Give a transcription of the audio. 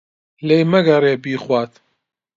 لێ مەگەڕێ بیخوات.